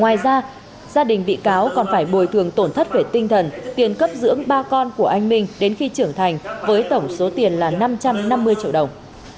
ngoài ra gia đình bị cáo còn phải bồi thường tổn thất về tinh thần tiền cấp dưỡng ba con của anh minh đến khi trưởng thành với tổng số tiền là năm trăm năm mươi triệu đồng